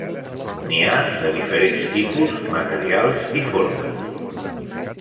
N'hi ha de diferents tipus, materials i formes.